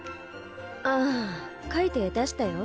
ああ描いて出したよ。